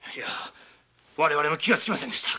我々も気がつきませんでした。